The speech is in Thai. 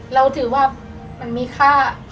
เราถือว่ามันมีค่า